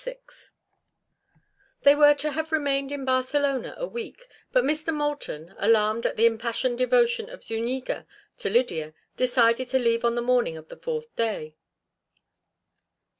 VI They were to have remained in Barcelona a week, but Mr. Moulton, alarmed at the impassioned devotion of Zuñiga to Lydia, decided to leave on the morning of the fourth day.